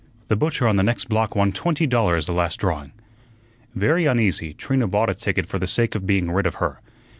The butcher on the next block won twenty dollars the last drawing." Very uneasy, Trina bought a ticket for the sake of being rid of her.